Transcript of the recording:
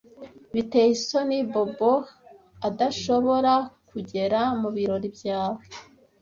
Biteye isoni Bobo adashobora kugera mubirori byawe.